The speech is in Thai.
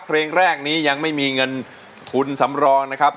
เพลงแรกนี้ยังไม่มีเงินทุนสำรองนะครับ